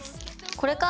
これか。